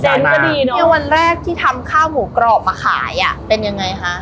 เนี่ยวันแรกที่ทำข้าวหมูกรอบมาขายอ่ะเป็นยังไงคะ